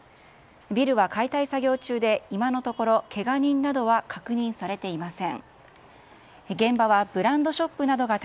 ビルは解体作業中で今のところけが人などは確認されていません。